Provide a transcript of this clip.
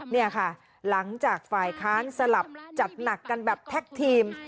นี่ค่ะหลังจากฝ่ายค้านสลับจัดหนักกันแบบแท็กทีม